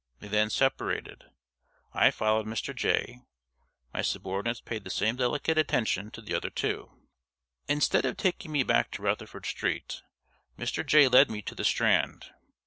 They then separated. I followed Mr. Jay. My subordinates paid the same delicate attention to the other two. Instead of taking me back to Rutherford Street, Mr. Jay led me to the Strand.